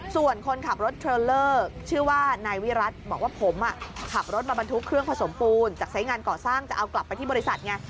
ส่วนคนขับรถเทรลเลอร์ชื่อว่านายวิรัติบอกว่าผมขับรถมาบรรทุกเครื่องผสมปูนจากสายงานก่อสร้างจะเอากลับไปที่บริษัทไง